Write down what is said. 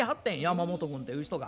山本君という人が。